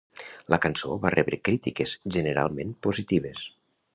La cançó va rebre crítiques generalment positives.